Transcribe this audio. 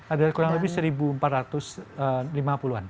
ada kurang lebih seribu empat ratus lima puluh an